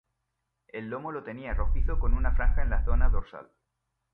El lomo lo tenía rojizo con una franja en la zona dorsal.